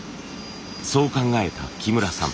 そう考えた木村さん。